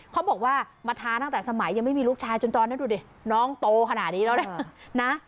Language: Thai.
เขาบอกว่ามาท้าตั้งแต่สมัยยังไม่มีลูกชายจนตอนนี้ดูดิน้องโตขนาดนี้แล้วนะ